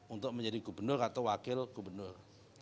untuk menjadi gubernur atau wakil gubernur